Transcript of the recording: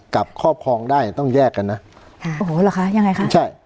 กับครอบครองได้ต้องแยกกันนะอ๋อโหหรอคะยังไงค่ะใช่